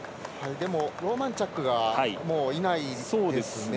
ローマンチャックがもういないですね。